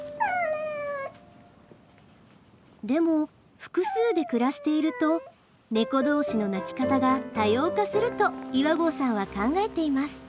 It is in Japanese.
でも複数で暮らしているとネコ同士の鳴き方が多様化すると岩合さんは考えています。